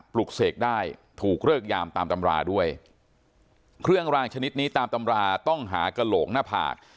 ปลุกเสกได้ถูกเลิกยามตามตำราด้วยเครื่องรางชนิดนี้ตามตำราต้องหากระโหลกหน้าผาก